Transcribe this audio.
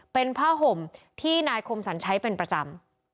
เป็นผ้าห่มที่นายคมสรรใช้เป็นประจำ